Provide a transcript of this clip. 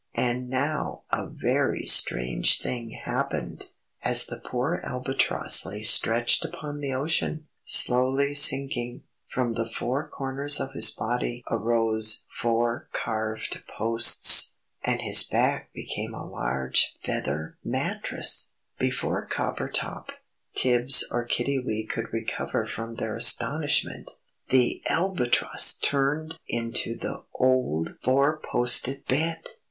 And now a very strange thing happened. As the poor Albatross lay stretched upon the ocean, slowly sinking, from the four corners of his body arose four carved posts, and his back became a large feather mattress! [Illustration: The Four Posted Bed at Sea.] Before Coppertop, Tibbs or Kiddiwee could recover from their astonishment, the Albatross turned into the old four posted Bed!